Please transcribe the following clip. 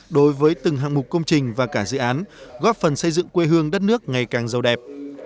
đối với từng hạng mục công trình và cả dự án góp phần xây dựng quê hương đất nước ngày càng giàu đẹp